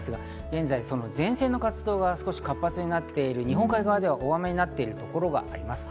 現在、前線の活動が活発になっている日本海側では大雨になっているところがあります。